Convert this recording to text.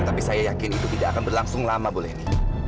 tapi saya yakin itu tidak akan berlangsung lama bu leni